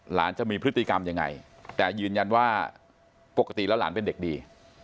หลานจะมีพฤติกรรมยังไงแต่ยืนยันว่าปกติแล้วหลานเป็นเด็กดี